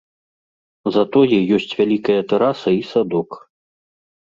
Затое ёсць вялікая тэраса і садок.